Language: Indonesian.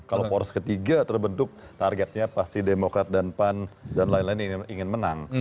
kalau poros ketiga terbentuk targetnya pasti demokrat dan pan dan lain lain yang ingin menang